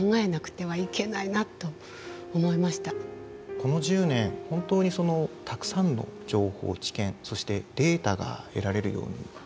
この１０年本当にたくさんの情報知見そしてデータが得られるようになりました。